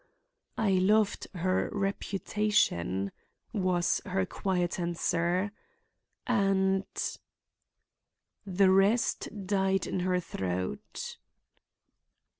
"I loved her reputation," was her quiet answer, "and—" The rest died in her throat.